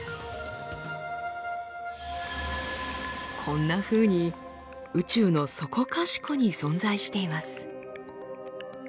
こんなふうに宇宙のそこかしこに存在しています。